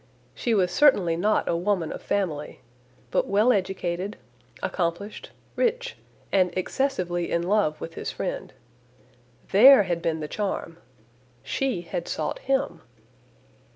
She was certainly not a woman of family, but well educated, accomplished, rich, and excessively in love with his friend. There had been the charm. She had sought him.